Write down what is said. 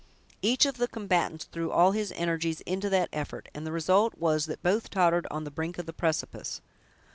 Each of the combatants threw all his energies into that effort, and the result was, that both tottered on the brink of the precipice.